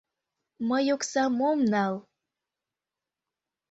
— Мый оксам ом нал...